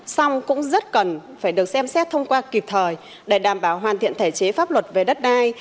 xong cũng rất cần phải được xem xét thông qua kịp thời để đảm bảo hoàn thiện thể chế pháp luật về đất đai